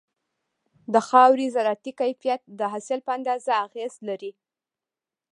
د خاورې زراعتي کيفيت د حاصل په اندازه اغېز لري.